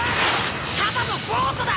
ただのボートだ！